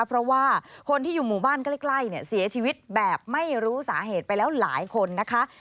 เพราะว่าคนที่อยู่หมู่บ้านใกล้เนี่ยเสียชีวิตแบบไม่รู้สาเหตุไปแล้วหลายคนนะคะ